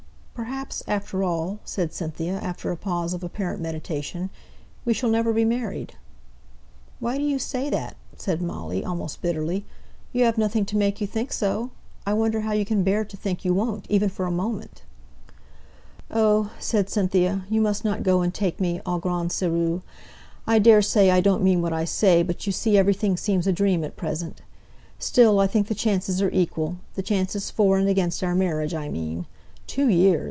"Perhaps, after all," said Cynthia, after a pause of apparent meditation, "we shall never be married." "Why do you say that?" said Molly, almost bitterly. "You have nothing to make you think so. I wonder how you can bear to think you won't, even for a moment." "Oh!" said Cynthia; "you mustn't go and take me au grand sÄrieux. I daresay I don't mean what I say, but you see everything seems a dream at present. Still, I think the chances are equal the chances for and against our marriage, I mean. Two years!